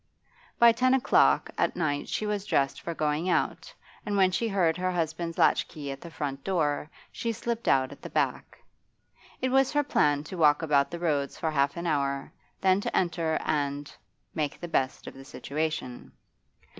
By ten o'clock at night she was dressed for going out, and when she heard her husband's latch key at the front door she slipped out at the back. It was her plan to walk about the roads for half an hour, then to enter and make the best of the situation.